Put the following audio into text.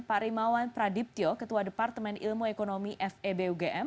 pak rimawan pradiptyo ketua departemen ilmu ekonomi febugm